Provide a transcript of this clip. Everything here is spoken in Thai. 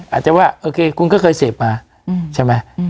อาจจะว่าโอเคคุณก็เคยเสพมา